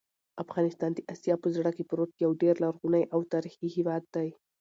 افغانستان د اسیا په زړه کې پروت یو ډېر لرغونی او تاریخي هېواد دی.